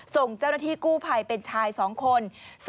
ส่งเจ้าหน้าที่กู้ภัยเป็นชาย๒คน